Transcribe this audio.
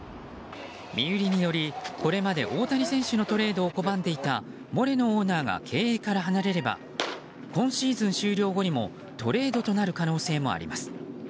身売りによりこれまで大谷選手のトレードを拒んでいたモレノオーナーが経営から離れれば今シーズン終了後にもトレードとなる可能性もあります。